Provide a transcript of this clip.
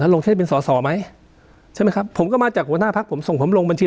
ลงเช่นเป็นสอสอไหมใช่ไหมครับผมก็มาจากหัวหน้าพักผมส่งผมลงบัญชี